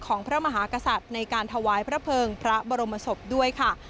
พระมหากษัตริย์ในการถวายพระเภิงพระบรมศพด้วยค่ะ